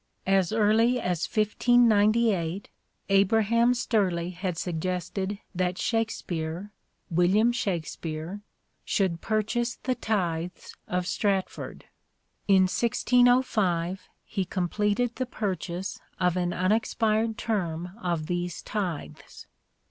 " As early as 1598 Abraham Sturley had suggested that Shakespeare (William Shakspere) should purchase the tithes of Stratford." In 1605 he completed the purchase of " an unexpired term of these tithes."